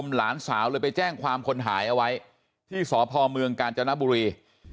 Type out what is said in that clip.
หลานสาวเลยไปแจ้งความคนหายเอาไว้ที่สพเมืองกาญจนบุรี